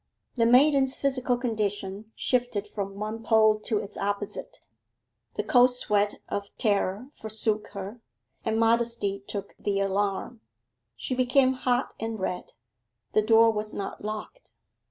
The maiden's physical condition shifted from one pole to its opposite. The cold sweat of terror forsook her, and modesty took the alarm. She became hot and red; her door was not locked.